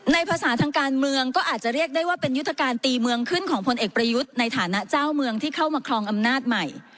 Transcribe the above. ภาษาทางการเมืองก็อาจจะเรียกได้ว่าเป็นยุทธการตีเมืองขึ้นของพลเอกประยุทธ์ในฐานะเจ้าเมืองที่เข้ามาครองอำนาจใหม่